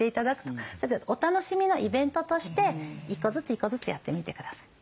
お楽しみのイベントとして１個ずつ１個ずつやってみて下さい。